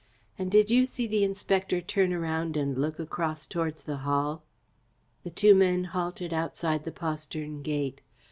And did you see the Inspector turn around and look across towards the Hall?" The two men halted outside the postern gate.